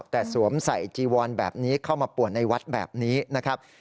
แต่สวมใส่จีวอนแบบนี้เข้ามาป่วนในวัดแบบนี้นะครับ